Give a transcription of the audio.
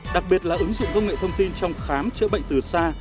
đặc biệt là ứng dụng công nghệ thông tin trong khám chữa bệnh từ xa